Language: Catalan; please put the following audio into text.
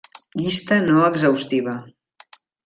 Llista no exhaustiva.